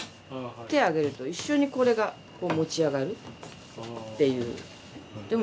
手を上げると一緒にこれがこう持ち上がるっていう。